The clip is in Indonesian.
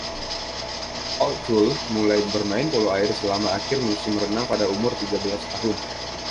O’Toole mulai bermain polo air selama akhir musim renang pada umur tiga belas tahun.